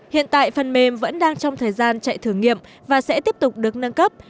hiện tại phần mềm vẫn đang trong thời gian chạy thử nghiệm và sẽ tiếp tục được nâng cấp